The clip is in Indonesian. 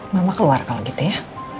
mama keluar kalau gitu ya